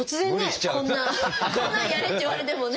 突然ねこんなこんなのやれって言われてもね。